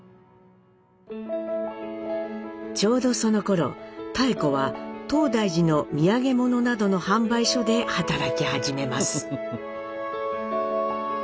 ちょうどそのころ妙子は東大寺の土産物などの販売所で働き始めます。